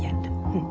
うん。